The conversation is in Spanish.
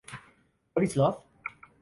What Is Love?